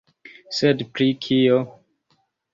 Sed pri kio?